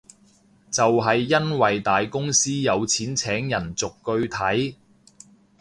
就係因為大公司有錢請人逐句睇